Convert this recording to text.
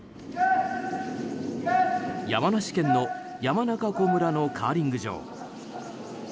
山梨県の山中湖村のカーリング場。